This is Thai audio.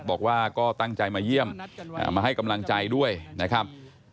บอกว่าก็ตั้งใจมาเยี่ยมมาให้กำลังใจด้วยนะครับ